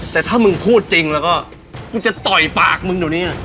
แต่ถ้ามึงพูดจริงก็จะตะปากมึงเดี๋ยวนี้